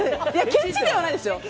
ケチではないですよ。